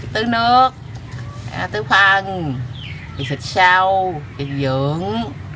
từ nước từ phân thì xịt xao thì dưỡng